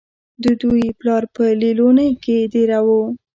د دوي پلار پۀ ليلونۍ کښې دېره وو